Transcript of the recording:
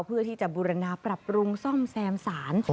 เพื่อที่จะบูรณาปรับปรุงซ่อมแซมสาร